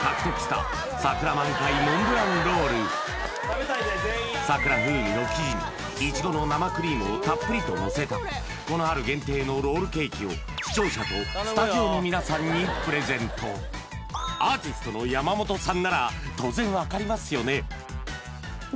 見事桜風味の生地に苺の生クリームをたっぷりとのせたこの春限定のロールケーキを視聴者とスタジオの皆さんにプレゼントアーティストの山本さんなら当然分かりますよね